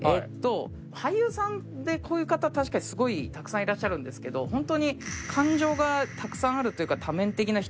俳優さんでこういう方確かにすごいたくさんいらっしゃるんですけどホントに感情がたくさんあるというか。